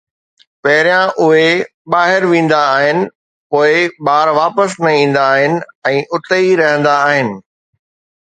پهريان اهي ٻاهر ويندا آهن، پوءِ ٻار واپس نه ايندا آهن ۽ اتي ئي رهندا آهن